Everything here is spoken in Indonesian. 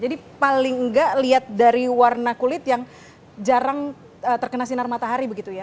jadi paling nggak lihat dari warna kulit yang jarang terkena sinar matahari begitu ya